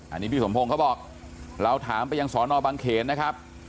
อันนี้พี่สมพงศ์เขาบอกเราถามไปยังสอนอบังเขนนะครับ